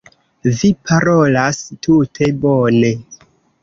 Vi parolas tute bone.